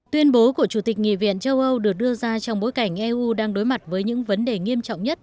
tuyên bố của chủ tịch nghị viện châu âu được đưa ra trong bối cảnh eu đang đối mặt với những vấn đề nghiêm trọng nhất